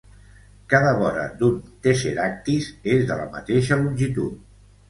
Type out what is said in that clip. Cada vora d'un tesseractis és de la mateixa longitud.